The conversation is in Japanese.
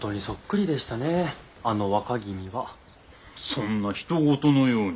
そんなひと事のように。